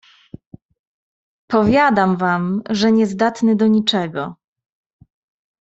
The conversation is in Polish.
"Powiadam wam, że niezdatny do niczego!"